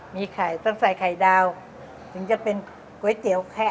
มีไข่ต้องใส่ไข่ดาวถึงจะเป็นก๋วยเตี๋ยวแคะ